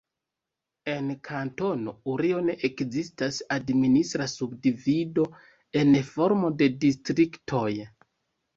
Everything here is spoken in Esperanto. En Kantono Urio ne ekzistas administra subdivido en formo de distriktoj.